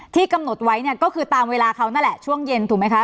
กำหนดไว้เนี่ยก็คือตามเวลาเขานั่นแหละช่วงเย็นถูกไหมคะ